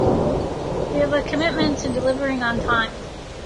We have a commitment to delivering on time.